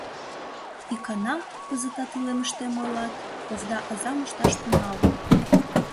Икана, кызытат илемыштем ойлат, овда азам ышташ тӱҥалын.